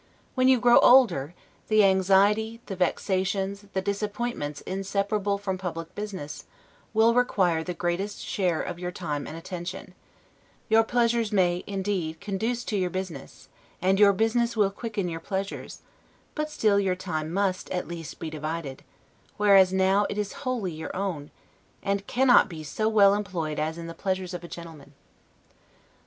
When you grow older, the anxiety, the vexations, the disappointments inseparable from public business, will require the greatest share of your time and attention; your pleasures may, indeed, conduce to your business, and your business will quicken your pleasures; but still your time must, at least, be divided: whereas now it is wholly your own, and cannot be so well employed as in the pleasures of a gentleman.